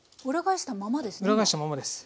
裏返したままですね？